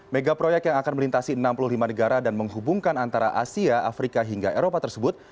mega proyek yang akan melintasi enam puluh lima negara dan menghubungkan antara asia afrika hingga eropa tersebut